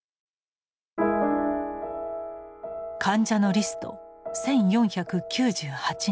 患者のリスト１，４９８人。